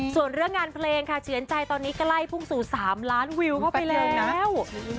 ส่วนเรื่องงานเพลงค่ะเฉือนใจตอนนี้ใกล้พุ่งสู่๓ล้านวิวเข้าไปแล้ว